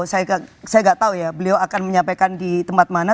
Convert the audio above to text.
saya nggak tahu ya beliau akan menyampaikan di tempat mana